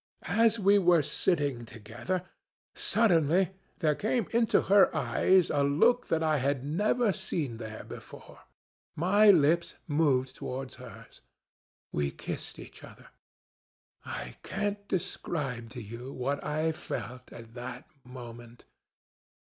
As we were sitting together, suddenly there came into her eyes a look that I had never seen there before. My lips moved towards hers. We kissed each other. I can't describe to you what I felt at that moment.